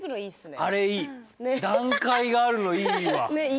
段階があるのいいわ。